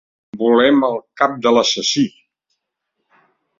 Volem el cap de l'assassí.